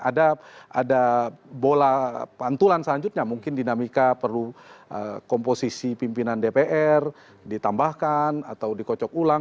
ada bola pantulan selanjutnya mungkin dinamika perlu komposisi pimpinan dpr ditambahkan atau dikocok ulang